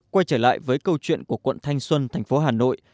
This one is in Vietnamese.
quay trở lại với câu chuyện của quận thanh xuân thành phố hà nội